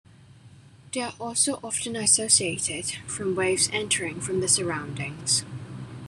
They are also often isolated from waves entering from their surroundings.